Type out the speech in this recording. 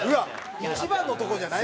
一番のとこじゃない？